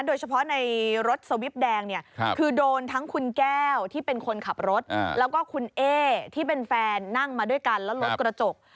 โดยเฉพาะในรถสวิปแดงเนี่ยคือโดนทั้งคุณแก้วที่เป็นคนขับรถแล้วก็คุณเอ๊ที่เป็นแฟนนั่งมาด้วยกันแล้วรถกระจก